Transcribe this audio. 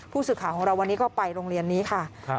ผู้สื่อข่าวของเราวันนี้ก็ไปโรงเรียนนี้ค่ะ